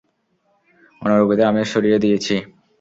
অন্য রোগীদের আমি স্যরিয়ে দিয়েছি।